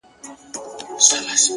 • که مړ سوم نو ومنه؛